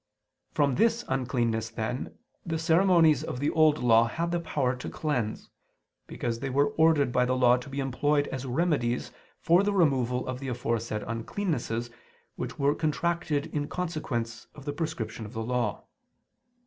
From this uncleanness, then, the ceremonies of the Old Law had the power to cleanse: because they were ordered by the Law to be employed as remedies for the removal of the aforesaid uncleannesses which were contracted in consequence of the prescription of the Law.